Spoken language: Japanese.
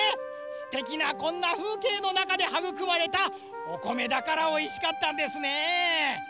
すてきなこんなふうけいのなかではぐくまれたおこめだからおいしかったんですね。